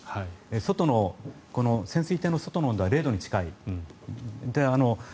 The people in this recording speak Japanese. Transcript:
外の潜水艇の外の温度は０度に近い。